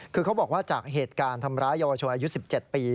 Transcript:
คือเขาบอกว่าจากเหตุการณ์ทำร้ายเยาวชนอายุ๑๗ปี